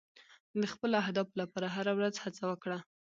د خپلو اهدافو لپاره هره ورځ هڅه وکړه.